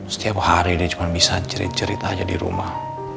setiap hari dia cuma bisa cerita aja di rumah